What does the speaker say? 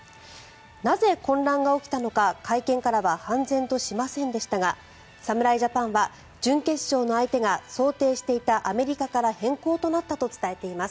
なぜ、混乱が起きたのか会見からは判然としませんでしたが侍ジャパンは準決勝の相手が想定していたアメリカから変更となったと伝えています。